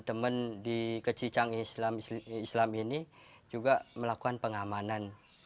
teman teman di kecicang islam ini juga melakukan pengamanan